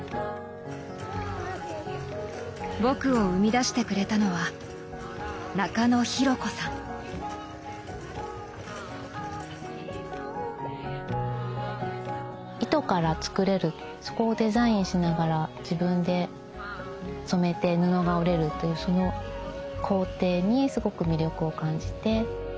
僕を生み出してくれたのは糸から作れるそこをデザインしながら自分で染めて布が織れるというその工程にすごく魅力を感じて。